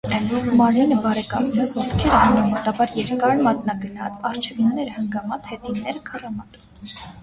Մարմինը բարեկազմ է, ոտքերը՝ համեմատաբար երկար, մատնագնաց, առջևինները՝ հնգամատ, հետինները՝ քառամատ։